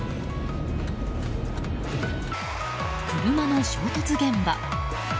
車の衝突現場。